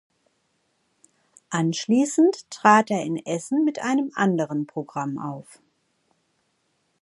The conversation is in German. Anschließend trat er in Essen mit einem anderen Programm auf.